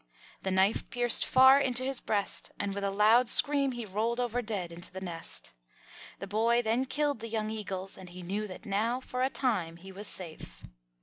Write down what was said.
The knife pierced far into his breast, and with a loud scream he rolled over dead into the nest. The boy then killed the young eagles, and he knew that now for a time he was safe.